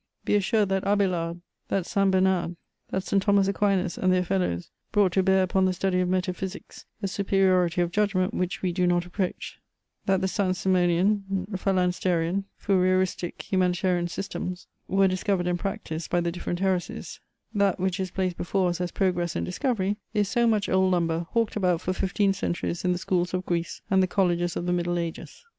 Be assured that Abélard, that St. Bernard, that St. Thomas Aquinas and their fellows brought to bear upon the study of metaphysics a superiority of judgment which we do not approach; that the Saint Simonian, Phalansterian, Fourieristic, Humanitarian systems were discovered and practised by the different heresies; that what is placed before us as progress and discovery is so much old lumber hawked about for fifteen centuries in the schools of Greece and the colleges of the Middle Ages.